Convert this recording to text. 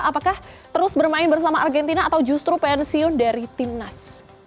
apakah terus bermain bersama argentina atau justru pensiun dari timnas